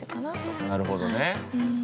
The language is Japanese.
なるほどね。